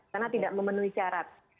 karena tidak memenuhi syarat